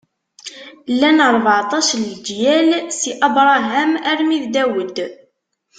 Llan ṛbeɛṭac n leǧyal si Abṛaham armi d Dawed.